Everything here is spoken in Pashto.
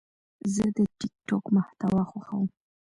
زه د ټک ټاک محتوا خوښوم.